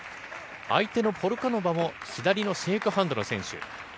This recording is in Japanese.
相手のポルカノバも左のシェイクハンドの選手。